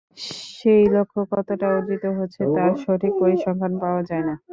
সেই লক্ষ্য কতটা অর্জিত হচ্ছে, তার সঠিক পরিসংখ্যান পাওয়া যায় না।